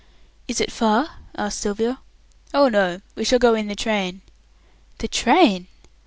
"Is it far?" asked Sylvia. "Oh no! We shall go in the train." "The train!"